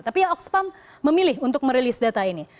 tapi ya oxfam memilih untuk merilis data ini